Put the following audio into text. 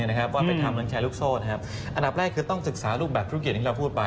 ว่าไปทำรังแชร์ลูกโซ่อันดับแรกคือต้องศึกษารูปแบบธุรกิจที่เราพูดไป